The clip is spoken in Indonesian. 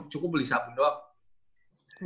cukup beli sabun doang